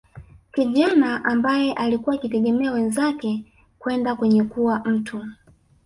Kijana ambae alikuwa akitegemea wenzake kwenda kwenye kuwa mtu